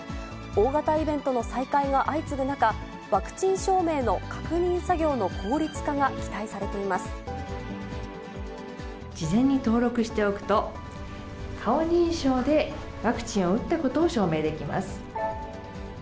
大型イベントの再開が相次ぐ中、ワクチン証明の確認作業の効率化事前に登録しておくと、顔認証でワクチンを打ったことを証明できます。